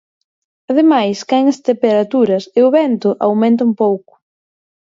Ademais, caen as temperaturas e o vento aumenta un pouco.